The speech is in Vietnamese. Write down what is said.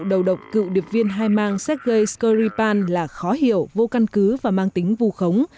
đầu độc cựu điệp viên hai mang sergei skripal là khó hiểu vô căn cứ và mang tính vù khống